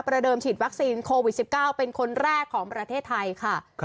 เดิมฉีดวัคซีนโควิด๑๙เป็นคนแรกของประเทศไทยค่ะ